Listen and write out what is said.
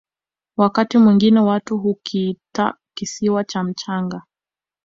wakati mwingine watu hukiita kisiwa cha mchanga